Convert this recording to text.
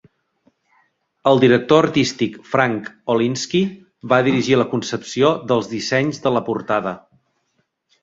El director artístic Frank Olinsky va dirigir la concepció dels dissenys de la portada.